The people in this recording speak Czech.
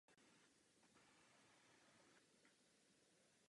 Může také obsahovat imitace hlasů jiných druhů ptáků.